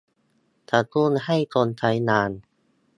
กระตุ้นให้คนใช้งาน